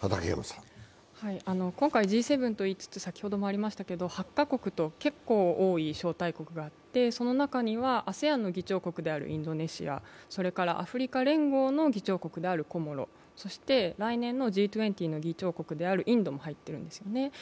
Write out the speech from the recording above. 今回、Ｇ７といいつつ８か国と結構多い招待国があって、その中にはＡＳＥＡＮの議長国であるインドネシア、それからアフリカ連合の議長国であるコモロ、そして来年のＧ２０の議長国であるインドも入ってるんですよね。